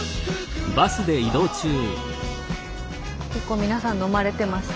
結構皆さん飲まれてました？